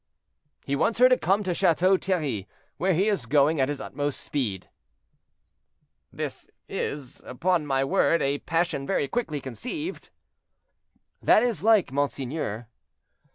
"He wants her to come to Chateau Thierry, where he is going at his utmost speed." "This is, upon my word, a passion very quickly conceived." "That is like monseigneur."